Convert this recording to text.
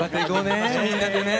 みんなでね。